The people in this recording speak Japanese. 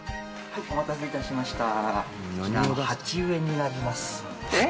お待たせいたしました。